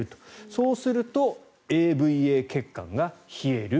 そうするとＡＶＡ血管が冷える。